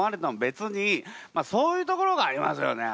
そういうところがありますよね。